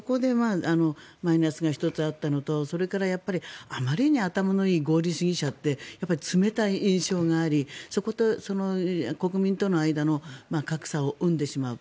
そこでマイナスが１つあったのとそれからやっぱりあまりに頭のいい合理主義者って冷たい印象があり国民との間の格差を生んでしまう。